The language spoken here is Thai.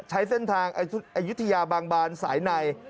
ใช้เส้นทางอายุทยาบางบานสายใน